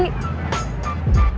dik dik yang bakal naik